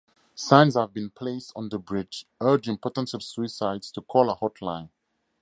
Signs have been placed on the bridge urging potential suicides to call a hotline.